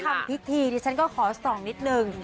ทำพิธีดิฉันก็ขอส่องนิดนึง